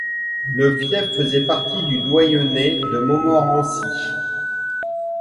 Le fief faisait partie du doyenné de Montmorency.